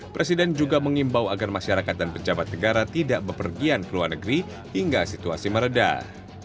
presiden juga mengimbau agar masyarakat dan pejabat negara tidak berpergian ke luar negeri hingga situasi meredah